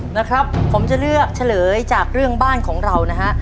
นะครับผมจะเลือกเฉลยจากเรื่องบ้านของเรานะฮะ